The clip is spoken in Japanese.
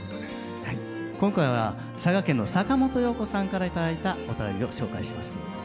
今回は佐賀県の坂本容子さんから頂いたお便りを紹介します。